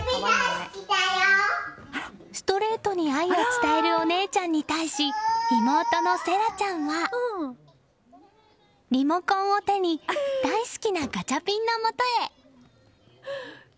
ストレートに愛を伝えるお姉ちゃんに対し妹の千桜ちゃんはリモコンを手に大好きなガチャピンのもとへ。